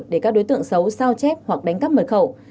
để các đối tượng xấu sao chép hoặc đánh cắp mật khẩu